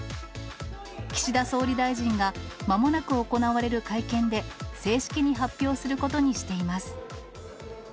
岸田総理大臣が、まもなく行われる会見で、正式に発表することにしています。